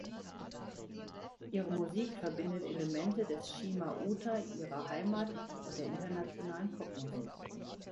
Ihre Musik verbindet Elemente des Shima-uta ihrer Heimat und der internationalen Popmusik.